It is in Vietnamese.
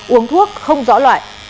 uống thuốc không rõ loại